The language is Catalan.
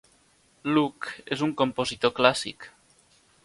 Luke és un compositor clàssic.